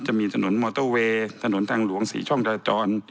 จะมีถนนมอเตอร์เวย์ถนนทางหลวง๔ช่องจราจร